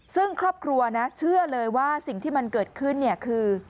ซึ่งครอบครัวนะเชื่อเลยว่าสิ่งที่มันเกิดขึ้นเนี่ยคือ